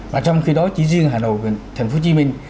và trong khi đó chỉ riêng hà nội thành phố hồ chí minh